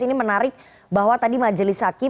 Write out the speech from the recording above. ini menarik bahwa tadi majelis hakim